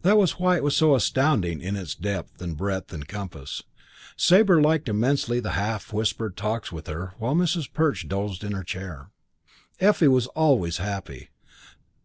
That was why it was so astounding in its depth and breadth and compass. Sabre liked immensely the half whispered talks with her while Mrs. Perch dozed in her chair. Effie was always happy.